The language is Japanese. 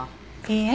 いいえ。